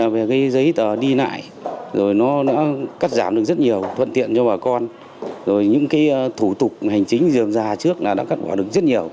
về cái giấy tờ đi lại rồi nó đã cắt giảm được rất nhiều thuận tiện cho bà con rồi những cái thủ tục hành chính dườm già trước là đã cắt bỏ được rất nhiều